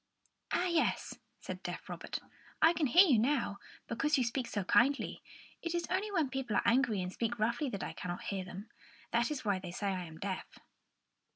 "Ah, yes," said deaf Robert; "I can hear you now, because you speak so kindly. It is only when people are angry and speak roughly that I cannot hear them. That is why they say I am deaf."